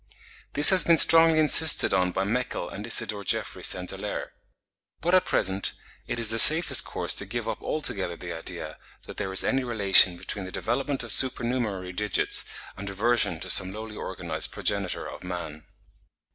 This has been strongly insisted on by Meckel and Isidore Geoffroy St. Hilaire. But at present it is the safest course to give up altogether the idea that there is any relation between the development of supernumerary digits and reversion to some lowly organised progenitor of man.)